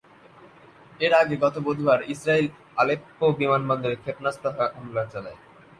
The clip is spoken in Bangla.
এর আগে গত বুধবার ইসরাইল আলেপ্পো বিমানবন্দরে ক্ষেপণাস্ত্র হামলা চালায়।